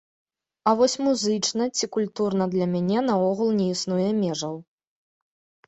А вось музычна ці культурна для мяне наогул не існуе межаў.